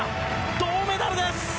銅メダルです。